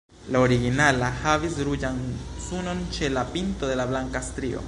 La originala havis ruĝan sunon ĉe la pinto de la blanka strio.